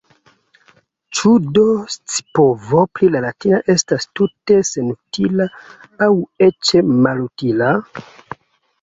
Ĉu do scipovo pri la latina estas tute senutila – aŭ eĉ malutila?